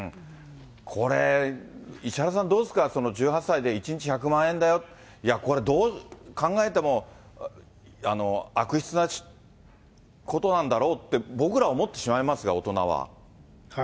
これ、石原さん、どうですか、１８歳で１日１００万円だよ、いや、これ、どう考えても、悪質なことなんだろうって、僕らは思ってしまいますが、大人は。